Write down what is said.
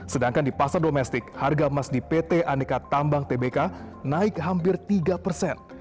sedangkan di pasar domestik harga emas di pt aneka tambang tbk naik hampir tiga persen